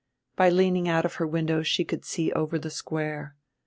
By leaning out of her window she could see over the Square.